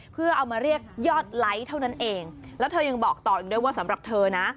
เพื่อเอามาเรียกยอดไลค์เท่านั้นเองแล้วเธอยังบอกต่ออีกด้วยว่าสำหรับเธอนะ